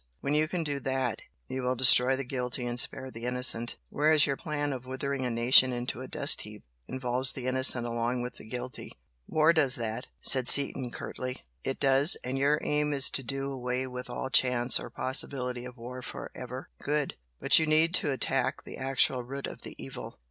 When you can do THAT, you will destroy the guilty and spare the innocent, whereas your plan of withering a nation into a dust heap involves the innocent along with the guilty." "War does that," said Seaton, curtly. "It does. And your aim is to do away with all chance or possibility of war for ever. Good! But you need to attack the actual root of the evil."